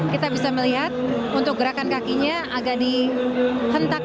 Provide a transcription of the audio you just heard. kita bisa melihat untuk gerakan kakinya agak dihentak